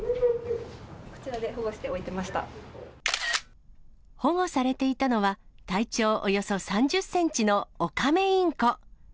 こちらで保護しておいてまし保護されていたのは、体長およそ３０センチのオカメインコ。